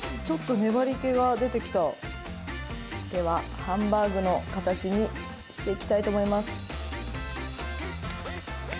ではハンバーグの形にしていきたいと思います。